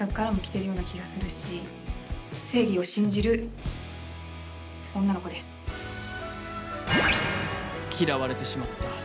心の声嫌われてしまった。